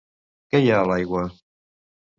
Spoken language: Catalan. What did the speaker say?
Què hi ha a l'aigua?